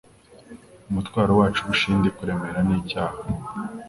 Umutwaro wacu urusha iyindi kuremera ni icyaha.